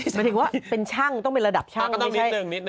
หมายถึงว่าเป็นชั่งต้องเป็นระดับชั่งอ่าก็ต้องนิดหนึ่งนิดหนึ่ง